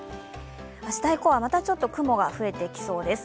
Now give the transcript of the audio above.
明日以降はまたちょっと雲が増えてきそうです。